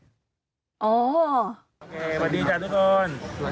พระอาจารย์สวัสดีค่ะทุกคน